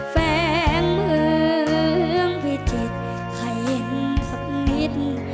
แฝงเมืองพิเศษให้เย็นสักนิด